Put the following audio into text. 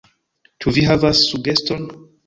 Ĉu vi havas sugeston?